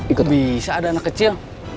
itu bisa ada anak kecil